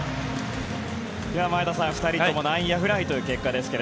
前田さん、２人とも内野フライという結果ですが。